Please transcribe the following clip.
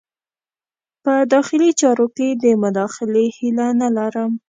په داخلي چارو کې د مداخلې هیله نه لرم.